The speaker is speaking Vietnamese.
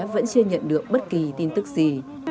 vẫn chưa nhận được bất kỳ tin tức gì